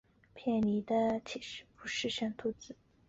永安博特溪蟹为溪蟹科博特溪蟹属的动物。